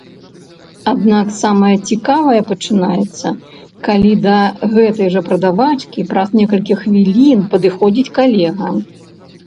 Аднак самае цікавае пачынаецца, калі да гэтай жа прадавачкі праз некалькі хвілін падыходзіць калега.